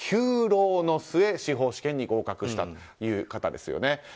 ９浪の末司法試験に合格したという方です。